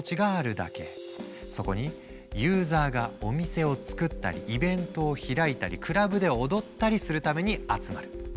そこにユーザーがお店を作ったりイベントを開いたりクラブで踊ったりするために集まる。